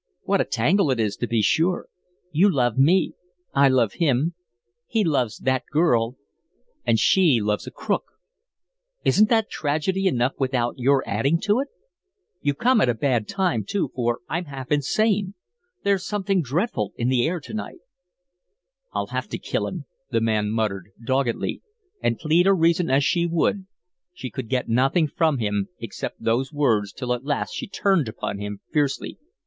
What a tangle it is, to be sure. You love me, I love him, he loves that girl, and she loves a crook. Isn't that tragedy enough without your adding to it? You come at a bad time, too, for I'm half insane. There's something dreadful in the air to night " "I'll have to kill him," the man muttered, doggedly, and, plead or reason as she would, she could get nothing from him except those words, till at last she turned upon him fiercely.